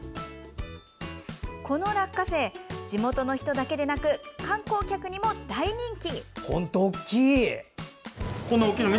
この落花生、地元の人だけでなく観光客にも大人気。